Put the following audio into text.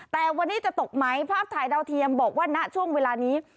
แต่วันนี้จะตกไหมภาพถ่ายดาวเทียมบอกว่าณช่วงเวลานี้